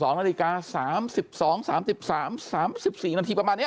๒นาฬิกา๓๒๓๓๔นาทีประมาณนี้